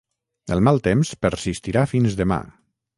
El mal temps persistirà fins demà.